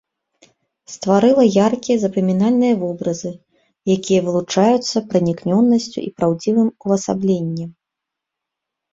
Стварыла яркія запамінальныя вобразы, якія вылучаюцца пранікнёнасцю і праўдзівым увасабленнем.